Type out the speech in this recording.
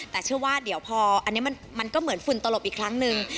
แต่เชื่อว่าเดี๋ยวพออันนี้มันก็เหมือนฝุ่นตลบอีกครั้งหนึ่ง